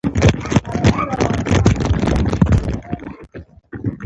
په کالج کي د فارسي استاد او خورا له ژونده ډک سړی و